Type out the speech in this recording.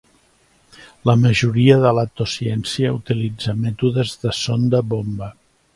La majoria de l'attociència utilitza mètodes de sonda bomba.